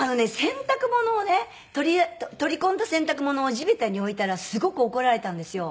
洗濯物をね取り込んだ洗濯物を地べたに置いたらすごく怒られたんですよ。